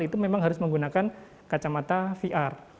itu memang harus menggunakan kacamata vr